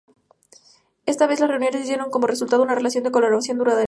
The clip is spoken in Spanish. Esta vez las reuniones dieron como resultado una relación de colaboración duradera.